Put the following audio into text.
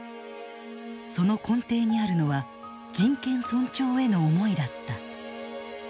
その根底にあるのは人権尊重への思いだった。